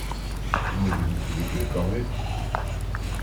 Il ne vous distribue que les corvées.